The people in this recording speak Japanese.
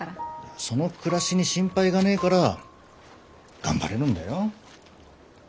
その暮らしに心配がねえから頑張れるんだよ。